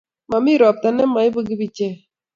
momi ropta nemoibu kibichek